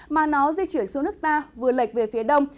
mà nó di chuyển xuống nước ta vừa lệch về phía đông